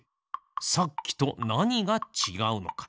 さっきとなにがちがうのか。